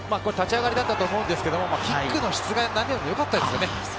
立ち上がりだったと思うんですがキックの質が何よりもよかったですね。